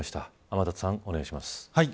天達さん、お願いします。